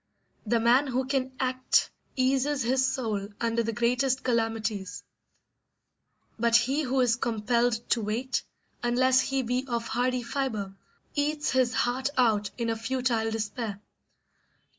The man who can act eases his soul under the greatest calamities; but he who is compelled to wait, unless he be of hardy fibre, eats his heart out in a futile despair.